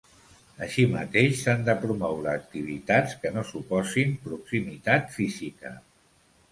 Així mateix, s'han de promoure activitats que no suposin proximitat física.